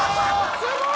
すごい。